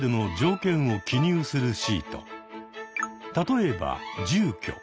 例えば住居。